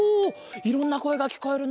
いろんなこえがきこえるな。